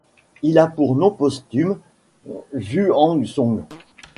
Il a pour nom posthume Xuanzong.